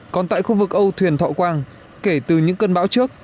còn tại khu vực âu thuyền thọ quang kể từ những cơn bão trước